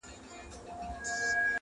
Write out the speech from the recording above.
د کلي فضا ورو ورو بيا عادي کيږي,